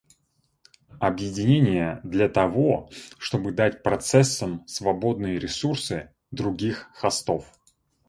Объединение для того, чтобы дать процессам свободные ресурсы других хостов